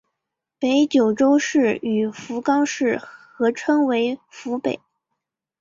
北九州市与福冈市合称为福北。